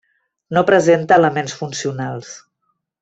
No presenta elements funcionals.